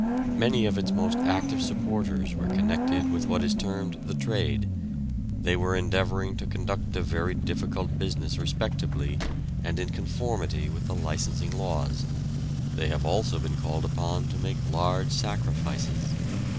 Many of its most active supporters were connected with what is termed the "trade," they were endeavouring to conduct a very difficult business respectably, and in conformity with the licensing laws, they have also been called upon to make large sacrifices.